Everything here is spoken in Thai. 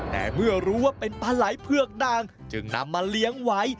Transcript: แต่เมื่อรู้ว่าเป็นปลาไหล่เผือกด่างจึงนำมาเลี้ยงไว้